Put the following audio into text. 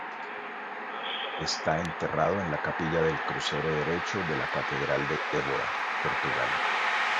Está enterrado en la capilla del crucero derecho de la catedral de Évora, Portugal.